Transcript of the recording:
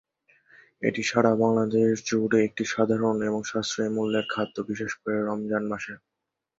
এটি সারা বাংলাদেশ জুড়ে একটি সাধারণ এবং সাশ্রয়ী মূল্যের খাদ্য, বিশেষ করে রমজান মাসে।